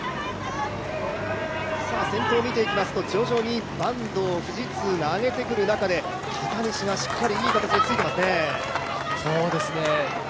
先頭を見ていきますと徐々に坂東・富士通が上げてくる中で片西がしっかりいい形でついてますね。